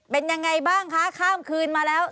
เป็นยังไงบ้างคะข้ามคืนมาแล้ว